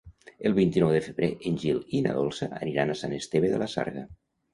El vint-i-nou de febrer en Gil i na Dolça aniran a Sant Esteve de la Sarga.